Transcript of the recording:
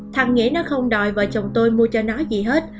thằng nghĩa nó không đòi vợ chồng tôi mua cho nó gì hết